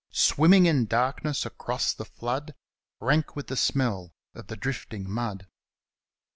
Swimming in darkness across the flood, Rank with the smell of the drifting mud.